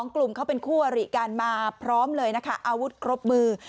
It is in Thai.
กลุ่มเขาเป็นคู่อริกันมาพร้อมเลยนะคะอาวุธครบมือ